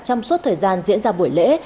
trong suốt thời gian diễn ra buổi lễ